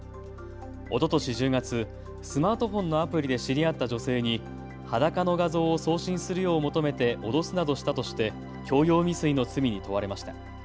おととし１０月、スマートフォンのアプリで知り合った女性に裸の画像を送信するよう求めて脅すなどしたとして強要未遂の罪に問われました。